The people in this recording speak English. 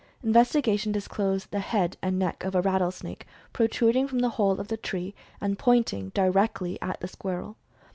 Investigation disclosed the head and neck of a rattle snake, protruding from the hole of the tree, and point ing directly at the squirrel.